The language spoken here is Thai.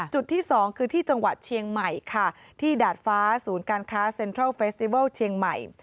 จุดที่สองคือที่จังหวัดเชียงใหม่ค่ะที่ดาดฟ้าศูนย์การค้าเซ็นทรัลเฟสติวัลเชียงใหม่